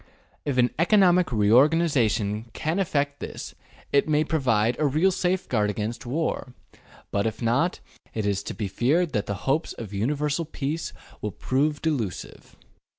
If an economic reorganization can effect this it may pro vide a real safeguard against war, but if not, it is to be feared that the hopes of universal peace will prove delusive.